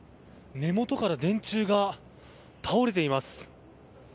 根元から電柱が倒れています。